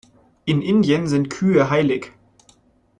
In Indien sind Kühe heilig.